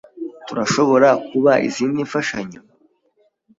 Turashobora kuba izindi mfashanyo?